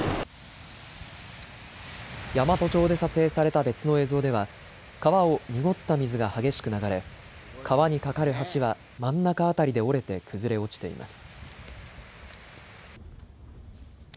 山都町で撮影された別の映像では川を濁った水が激しく流れ川に架かる橋は真ん中辺りで折れて崩れ落ちています。